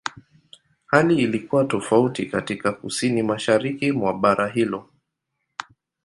Hali ilikuwa tofauti katika Kusini-Mashariki mwa bara hilo.